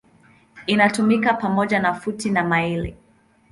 Inatumika pamoja na futi na maili.